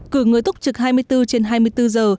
cử người túc trực hai mươi bốn trên hai mươi bốn giờ